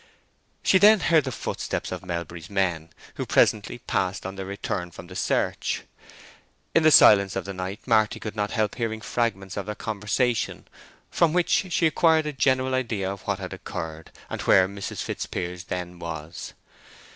She then heard the footsteps of Melbury's men, who presently passed on their return from the search. In the silence of the night Marty could not help hearing fragments of their conversation, from which she acquired a general idea of what had occurred, and where Mrs. Fitzpiers then was.